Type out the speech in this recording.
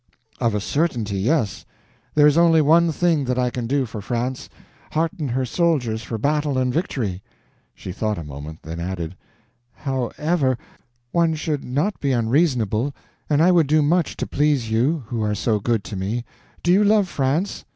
"Of a certainty, yes. There is only one thing that I can do for France—hearten her soldiers for battle and victory." She thought a moment, then added, "However, one should not be unreasonable, and I would do much to please you, who are so good to me. Do you love France?"